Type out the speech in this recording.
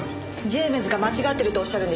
ジェームズが間違ってるとおっしゃるんでしょうか？